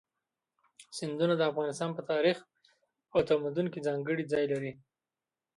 سیندونه د افغانستان په تاریخ او تمدن کې ځانګړی ځای لري.